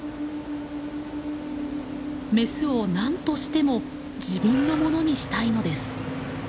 メスを何としても自分のものにしたいのです。